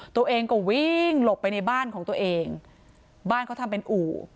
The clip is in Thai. ตัวเองก็วิ่งหลบไปในบ้านของตัวเองบ้านเขาทำเป็นอู่